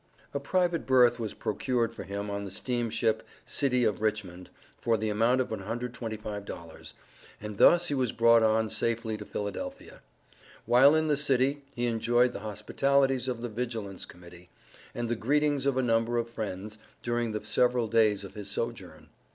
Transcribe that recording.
A private berth was procured for him on the steamship City of Richmond, for the amount of $125, and thus he was brought on safely to Philadelphia. While in the city, he enjoyed the hospitalities of the Vigilance Committee, and the greetings of a number of friends, during the several days of his sojourn.